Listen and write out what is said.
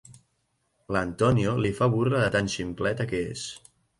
L'Antonio li fa burla de tant ximpleta que és.